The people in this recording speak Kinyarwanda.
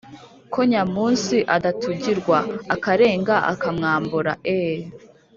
ko nya munsi adatugirwa akarenga akamwambura eee